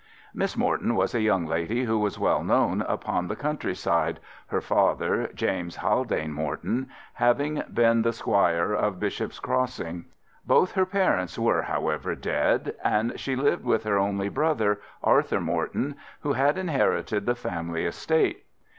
Miss Morton was a young lady who was well known upon the country side, her father, James Haldane Morton, having been the Squire of Bishop's Crossing. Both her parents were, however, dead, and she lived with her only brother, Arthur Morton, who had inherited the family estate.